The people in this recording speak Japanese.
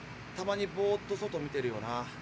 たまにボーッと外見てるよな。